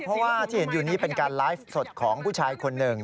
เพราะว่าที่เห็นอยู่นี้เป็นการไลฟ์สดของผู้ชายคนหนึ่ง